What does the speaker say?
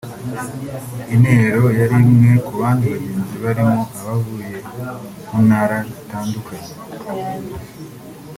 Intero yari imwe ku bandi bagenzi barimo abavuye mu ntara zitandukanye